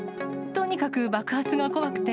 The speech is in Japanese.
とにかく爆発が怖くて。